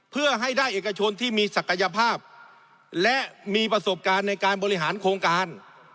เพื่อให้ได้เอกชนที่มีศักยภาพและมีประสบการณ์ในการบริหารโครงการ